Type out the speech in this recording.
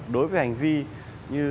đối với hành vi như